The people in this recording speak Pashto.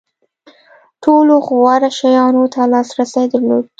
ټولو غوره شیانو ته لاسرسی درلود.